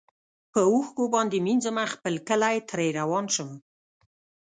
په اوښکو باندي مینځمه خپل کلی ترې روان شم